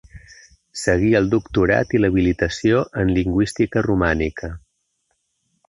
Seguí el doctorat i l'habilitació en lingüística romànica.